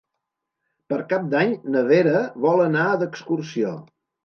Per Cap d'Any na Vera vol anar d'excursió.